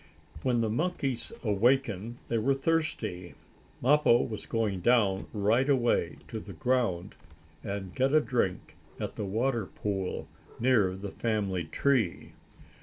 When the monkeys awakened, they were thirsty. Mappo was going down, right away, to the ground and get a drink at a water pool near the family tree.